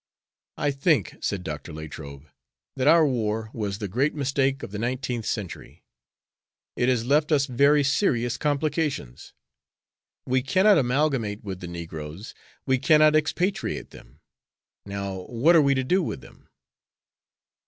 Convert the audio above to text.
"I think," said Dr. Latrobe, "that our war was the great mistake of the nineteenth century. It has left us very serious complications. We cannot amalgamate with the negroes. We cannot expatriate them. Now, what are we to do with them?"